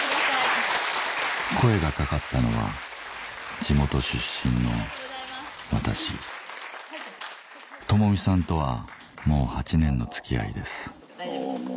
声が掛かったのは地元出身の私智巳さんとはもう８年の付き合いですどうも。